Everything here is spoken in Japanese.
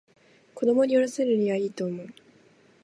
子供に読ませるにはいいと思う